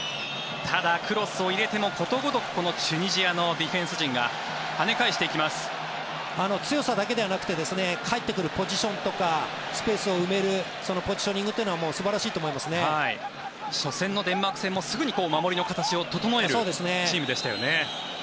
ただ、クロスを入れてもことごとくチュニジアのディフェンス陣が強さだけではなくて帰ってくるポジションとかスペースを埋めるポジショニングは初戦のデンマーク戦もすぐに守りの形を整えるチームでしたよね。